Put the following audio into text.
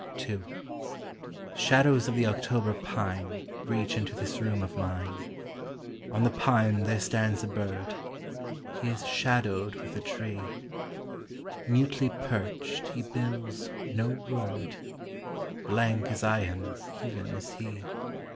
II Shadows of the October pine Reach into this room of mine: On the pine there stands a bird; He is shadowed with the tree. Mutely perched he bills no word; Blank as I am even is he.